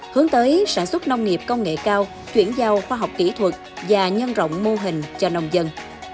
hướng tới sản xuất nông nghiệp công nghệ cao chuyển giao khoa học kỹ thuật và nhân rộng mô hình cho nông dân